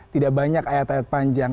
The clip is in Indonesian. tidak banyak ayat ayat panjang